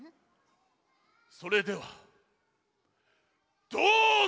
それではどうぞ！